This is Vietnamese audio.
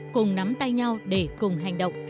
cùng nắm tay nhau để cùng hành động